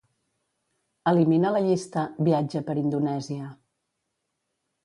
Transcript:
Elimina la llista "viatge per Indonèsia".